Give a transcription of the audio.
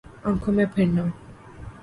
آنکھوں میں پھرنا